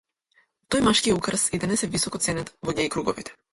Тој машки украс и денес е високо ценет во геј круговите.